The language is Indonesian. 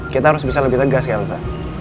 kita harus bisa lebih tegas ya elsa